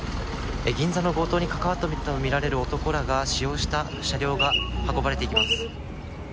銀座の強盗に関わったと見られる男らが使用した車両が運ばれていきます。